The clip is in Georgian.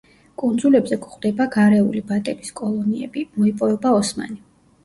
კუნძულებზე გვხვდება გარეული ბატების კოლონიები; მოიპოვება ოსმანი.